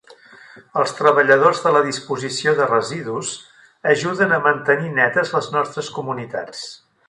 Els treballadors de la disposició de residus ajuden a mantenir netes les nostres comunitats.